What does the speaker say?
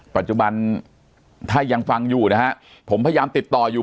ปัจจุบันถ้ายังฟังอยู่นะฮะผมพยายามติดต่ออยู่